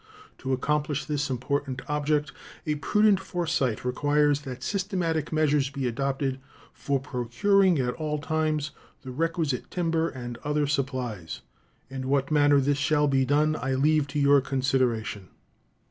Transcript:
To accomplish this important object, a prudent foresight requires that systematic measures be adopted for procuring at all times the requisite timber and other supplies. In what manner this shall be done I leave to your consideration.